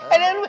eh enak enak